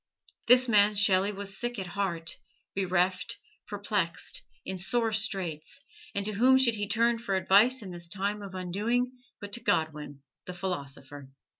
This man Shelley was sick at heart, bereft, perplexed, in sore straits, and to whom should he turn for advice in this time of undoing but to Godwin, the philosopher!